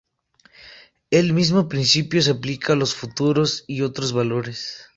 El mismo principio se aplica a los futuros y otros valores.